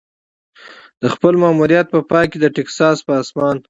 د خپل ماموریت په پای کې د ټیکساس په اسمان.